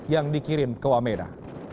yang dikirim ke wamena